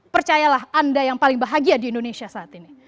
percayalah anda yang paling bahagia di indonesia saat ini